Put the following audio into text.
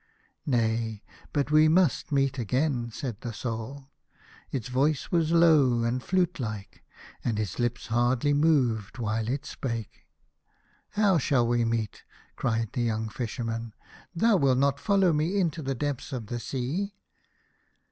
" Nay, but we must meet again," said the Soul. Its voice was low and flute like, and its lips hardly moved while it spake. " How shall we meet ?" cried the young Fisherman. " Thou wilt not follow me into the depths of the sea